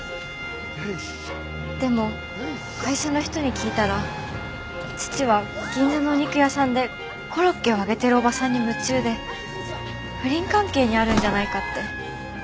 でも会社の人に聞いたら父は銀座のお肉屋さんでコロッケを揚げてるおばさんに夢中で不倫関係にあるんじゃないかって。